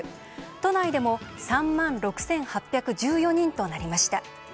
都内でも３万６８１４人となりました。